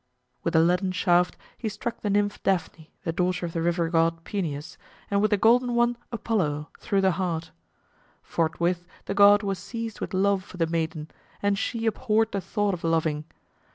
With the leaden shaft he struck the nymph Daphne, the daughter of the river god Peneus, and with the golden one Apollo, through the heart. Forthwith the god was seized with love for the maiden, and she abhorred the thought of loving.